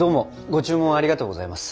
ご注文ありがとうございます。